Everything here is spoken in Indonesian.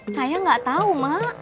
saya nggak tahu mak